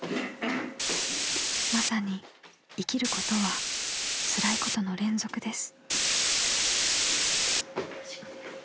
［まさに生きることはつらいことの連続です］